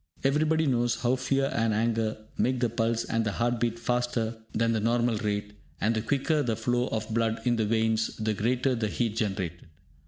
Everybody knows how fear and anger make the pulse and the heart beat faster than the normal rate, and the quicker the flow of blood in the veins, the greater the heat generated.